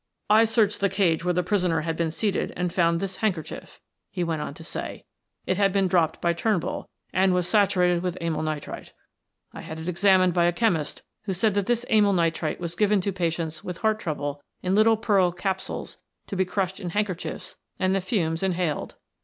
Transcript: "I searched the cage where the prisoner had been seated and found this handkerchief," he went on to say. "It had been dropped by Turnbull and was saturated with amyl nitrite. I had it examined by a chemist, who said that this amyl nitrite was given to patients with heart trouble in little pearl capsules to be crushed in handkerchiefs and the fumes inhaled.